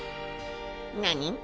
何？